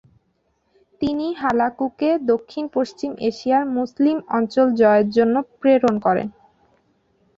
তিনি হালাকুকে দক্ষিণ পশ্চিম এশিয়ার মুসলিম অঞ্চল জয়ের জন্য প্রেরণ করেন।